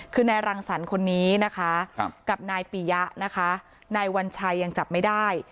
คือนายรังสรรค์คนนี้นะคะกับนายปียะนะคะนายวัญชัยยังจับไม่ได้